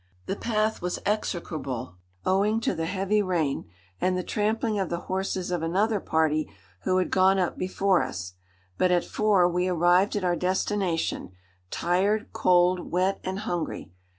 The path was execrable, owing to the heavy rain, and the trampling of the horses of another party who had gone up before us; but at four we arrived at our destination, tired, cold, wet, and hungry.